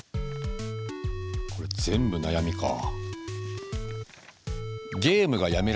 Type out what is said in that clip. これ全部悩みかあ。